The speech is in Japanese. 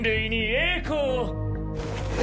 栄光を！